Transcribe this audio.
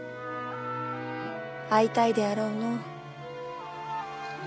会いたいであろうのう。